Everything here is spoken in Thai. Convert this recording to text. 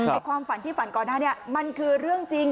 ความฝันที่ฝันก่อนหน้านี้มันคือเรื่องจริง